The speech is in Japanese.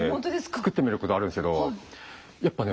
作ってみることあるんですけどやっぱね